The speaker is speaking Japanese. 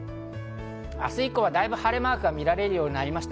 明日以降はだいぶ晴れマークが見られるようになりました。